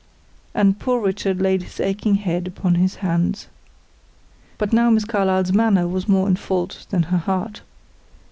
And poor Richard laid his aching head upon his hands. But now Miss Carlyle's manner was more in fault than her heart.